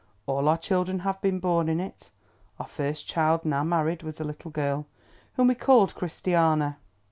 All our children have been born in it. Our first child—now married—was a little girl, whom we called Christiana.